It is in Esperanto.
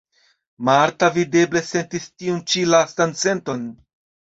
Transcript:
Marta videble sentis tiun ĉi lastan senton.